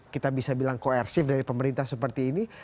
kita bisa bilang koersif dari pemerintah seperti ini